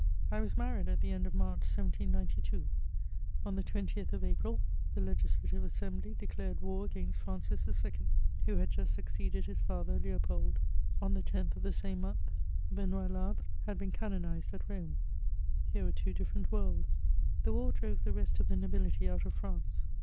I WAS married at the end of March, 1792; on the 20th of April, the Legislative Assembly declared war against Francis IL, who had just succeeded his fauier, Leopold ; on the 10th of the same month, Benoit Labre had been canonized at Rome, — here were two different worlds. The war drove the rest of the nobility out of France.